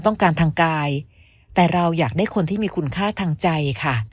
ทางกายแต่เราอยากได้คนที่มีคุณค่าทางใจค่ะ